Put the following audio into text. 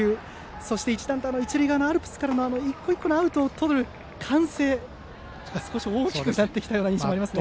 そして一段と一塁側のアルプスからも１個１個のアウトをとる歓声が少し大きくなってきた印象がありますね。